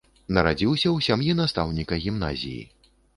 Нарадзіўся ў сям'і настаўніка гімназіі.